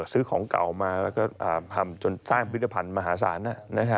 ซื้อของเก่ามาแล้วก็ทำจนสร้างพิธภัณฑ์มหาศาล